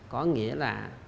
có nghĩa là